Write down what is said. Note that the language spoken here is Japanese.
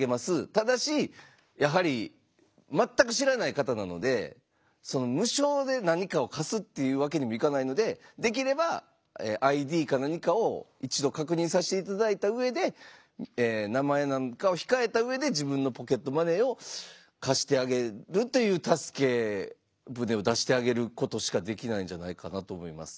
ただしやはり全く知らない方なので無償で何かを貸すっていうわけにもいかないのでできればＩＤか何かを一度確認させていただいた上で名前なんかを控えた上で自分のポケットマネーを貸してあげるという助け船を出してあげることしかできないんじゃないかなと思います。